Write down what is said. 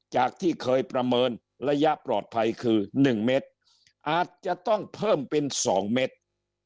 จากที่เคยประเมินระยะปลอดภัยคือ๑เมตรอาจจะต้องเพิ่มเป็น๒เมตร